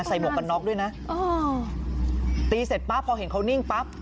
หมวกกันน็อกด้วยนะอ๋อตีเสร็จปั๊บพอเห็นเขานิ่งปั๊บ